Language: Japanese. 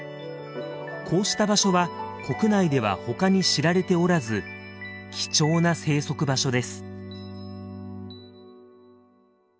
こうした場所は国内では他に知られておらず貴重な生息場所です。